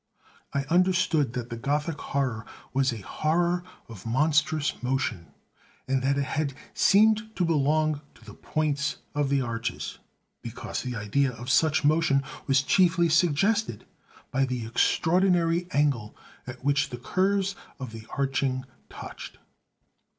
I understood that the Gothic horror was a horror of monstrous motion, and that it had seemed to belong to the points of the arches because the idea of such motion was chiefly suggested by the extraordinary angle at which the curves of the arching touched.